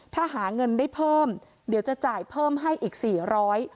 ถ้าหาเงินได้เพิ่มเดี๋ยวจะจ่ายเพิ่มให้อีกสี่ร้อย